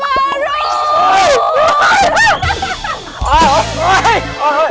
แฮมเวอรู